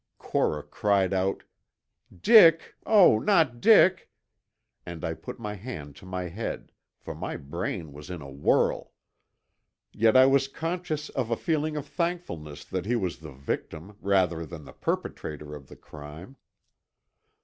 Cora cried cut, "Dick, oh, not Dick!" and I put my hand to my head, for my brain was in a whirl. Yet I was conscious of a feeling of thankfulness that he was the victim rather than the perpetrator of the crime.